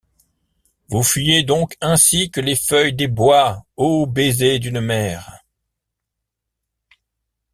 Vous fuyez donc ainsi que les feuilles des bois, Ô baisers d’une mère!